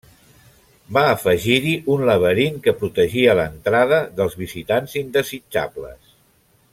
Va afegir-hi un laberint que protegia l'entrada dels visitants indesitjables.